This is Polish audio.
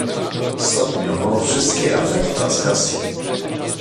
"Stopniowo wszystkie afekta zgasły."